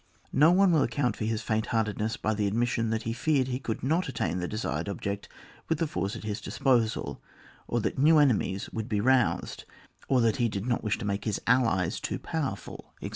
No one will account for his faint heartedness by the admis sion that he feared he coidd not attain the desired object with the force at his disposal, or that new enemies would be roused, or that he did not wish to make his allies too powerful, etc.